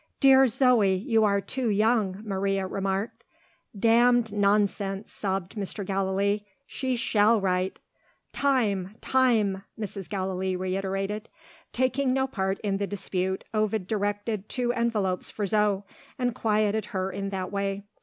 "Dear Zoe, you are too young," Maria remarked. "Damned nonsense!" sobbed Mr. Gallilee; "she shall write!" "Time, time!" Mrs. Gallilee reiterated. Taking no part in the dispute, Ovid directed two envelopes for Zo, and quieted her in that way.